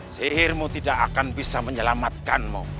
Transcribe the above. sihirmu tidak akan bisa menyelamatkanmu